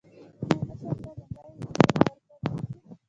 آیا مشر ته لومړی ډوډۍ نه ورکول کیږي؟